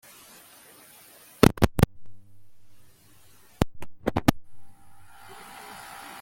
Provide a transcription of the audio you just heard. Tom ntazigera yibagirwa ibyabaye uyu munsi